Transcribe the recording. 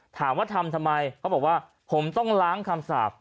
ถามว่าทำทำไมเขาบอกว่าผมต้องล้างคำสาป